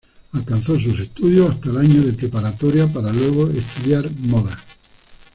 Alcanzó sus estudios hasta el año de preparatoria para luego estudiar modas.